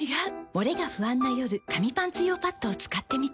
モレが不安な夜紙パンツ用パッドを使ってみた。